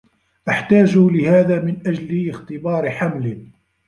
أحتاج لهذا من أجل اختبار حمل.